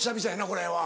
これは。